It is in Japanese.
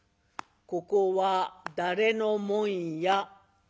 ここは誰のもんや？」。